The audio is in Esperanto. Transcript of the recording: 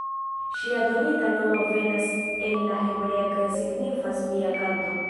Ŝia donita nomo venas el la hebrea kaj signifas „mia kanto“.